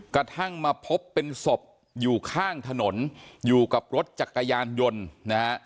กระทั่งมาพบเป็นศพอยู่ข้างถนนอยู่กับรถจักรยานยนต์นะฮะ